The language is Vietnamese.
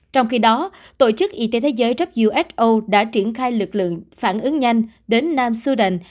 trong khi đó tổ chức y tế thế giới who đã triển khai lực lượng phản ứng nhanh đến nam sudan